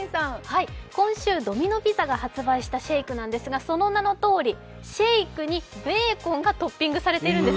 今週、ドミノ・ピザが発売したシェイクなんですがその名のとおり、シェイクにベーコンがトッピングされているんです。